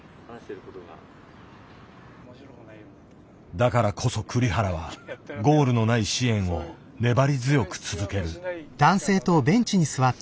だからこそ栗原はゴールのない支援を粘り強く続ける。